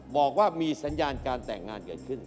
บอกว่ามีสัญญาณการแต่งงานเกิดขึ้น